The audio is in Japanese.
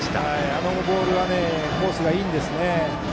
あのボールはコースがいいんですね。